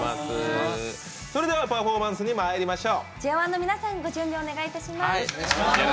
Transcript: パフォーマンスにまいりましょう。